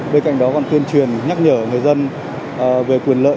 bên cạnh đó còn tuyên truyền nhắc nhở người dân về quyền lợi